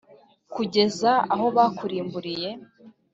kugeza aho bakurimburiye.